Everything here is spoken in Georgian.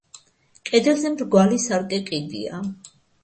კედელზე მრგვალი სარკე კიდია.